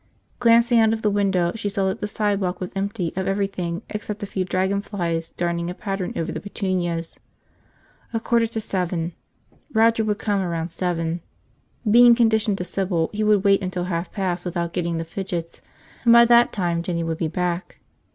Glancing out of the window, she saw that the sidewalk was empty of everything except a few dragonflies darning a pattern over the petunias. A quarter to seven. Roger would come around seven. Being conditioned to Sybil, he would wait until half past without getting the fidgets, and by that time Jinny would be back.